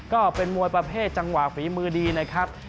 ก็เป็นมวยประเภทจังหวะฝีมือดีนะครับ